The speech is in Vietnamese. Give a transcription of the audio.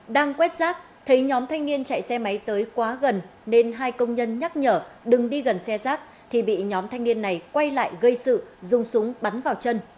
đang quét rác thấy nhóm thanh niên chạy xe máy tới quá gần nên hai công nhân nhắc nhở đừng đi gần xe rác thì bị nhóm thanh niên này quay lại gây sự dùng súng bắn vào chân